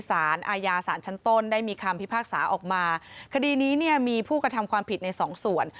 สารอาญาสารชั้นต้นได้มีคำพิพากษาออกมาคดีนี้เนี่ยมีผู้กระทำความผิดในสองส่วน